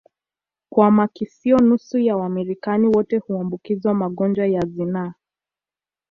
kwa makisio nusu ya Wamarekani wote huambukizwa magonjwa ya zinaa